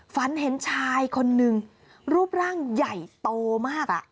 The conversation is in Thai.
ฝันเห็นชายคนนึงรูปร่างใหญ่โตมาก